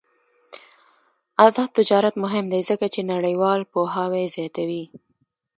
آزاد تجارت مهم دی ځکه چې نړیوال پوهاوی زیاتوي.